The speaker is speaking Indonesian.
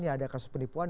ya ada kasus penipuan